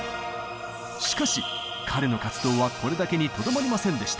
しかし彼の活動はこれだけにとどまりませんでした。